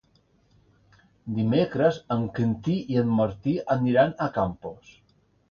Dimecres en Quintí i en Martí aniran a Campos.